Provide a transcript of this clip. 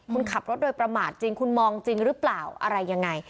คุณขับรถโดยประมาทจริงคุณมองจริงหรือเปล่าอะไรยังไง